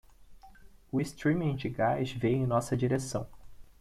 O streamer de gás veio em nossa direção.